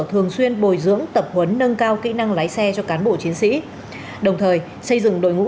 thường xuyên bồi dưỡng tập huấn nâng cao kỹ năng lái xe cho cán bộ chiến sĩ đồng thời xây dựng đội ngũ